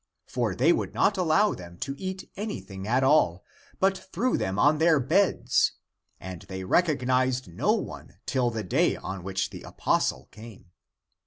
For they would not allow them to eat anything at all, but threw them on their beds, and they recognized no one till the day on which the apostle came.